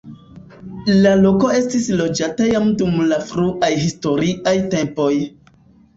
La loko estis loĝata jam dum la fruaj historiaj tempoj.